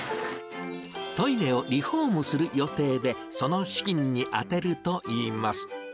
トイレをリフォームする予定で、その資金に充てるといいます。